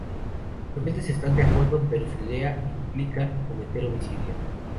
Los rebeldes están de acuerdo, pero su idea implica cometer homicidio.